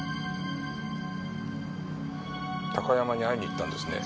高山に会いに行ったんですね？